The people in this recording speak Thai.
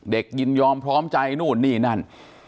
ยินยอมพร้อมใจนู่นนี่นั่น